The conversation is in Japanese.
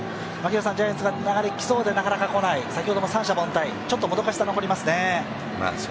ジャイアンツが流れきそうでなかなかこない、先ほども三者凡退ちょっともどかしさが残りますね。